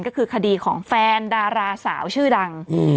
ก็คือคดีของแฟนดาราสาวชื่อดัง